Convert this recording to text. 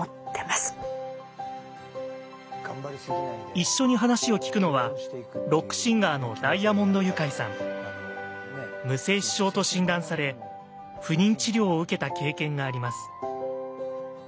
一緒に話を聞くのは無精子症と診断され不妊治療を受けた経験があります。